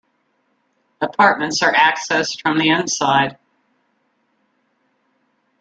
Apartments are accessed from the inside.